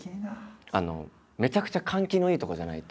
めちゃくちゃ換気のいい所じゃないと。